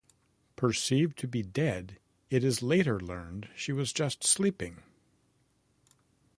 Perceived to be dead, it is later learned she was just sleeping.